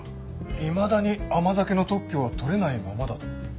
いまだに甘酒の特許は取れないままだと。